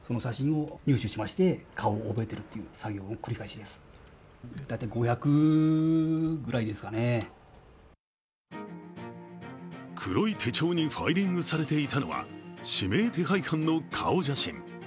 そこでは黒い手帳にファイリングされていたのは指名手配犯の顔写真。